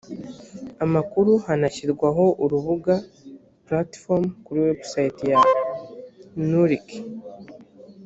amakuru hanashyirwaho urubuga platform kuri website ya nurc